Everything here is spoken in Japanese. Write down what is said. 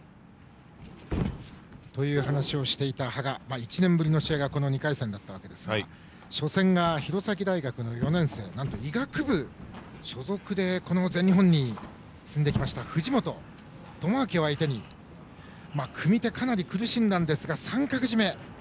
１年ぶりの試合がこの２回戦だったわけですが初戦が弘前大学の４年生なんと医学部所属でこの全日本に進んできた藤本智朗を相手に組み手、かなり苦しんだんですが三角絞め。